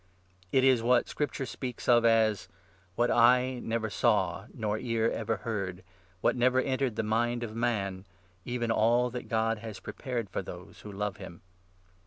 It is what Scripture speaks of as — 9 'What eye never saw, nor ear ever heard, What never entered the mind of man — Even all that God has prepared for those who love him.'